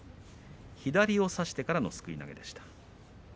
左を差してからのすくい投げでした。